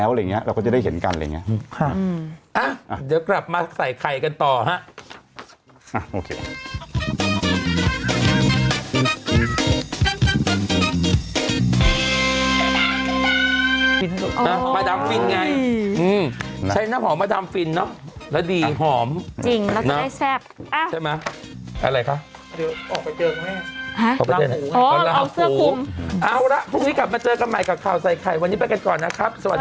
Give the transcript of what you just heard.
สวัสดีข่าวใส่ไข่ดูแล้วได้สาระดีข่าว